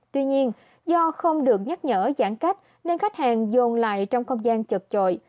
tuy nhiên do không được nhắc nhở giãn cách nên khách hàng dồn lại trong không gian trợt trội